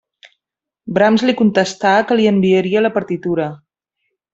Brahms li contestà que li enviaria la partitura.